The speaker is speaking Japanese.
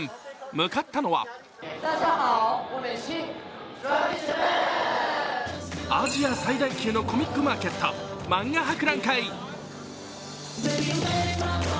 向かったのはアジア最大級のコミックマーケット、漫画博覧会。